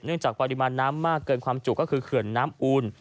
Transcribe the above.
จากปริมาณน้ำมากเกินความจุก็คือเขื่อนน้ำอูล